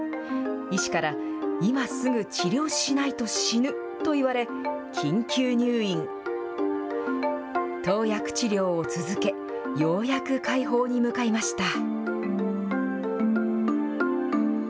医師から、今すぐ治療しないと死ぬと言われ、緊急入院。投薬治療を続け、ようやく快方に向かいました。